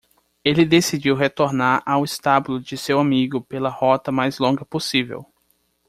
Ele decidiu retornar ao estábulo de seu amigo pela rota mais longa possível.